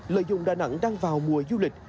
lợi dụng đà nẵng đang vào mùa du lịch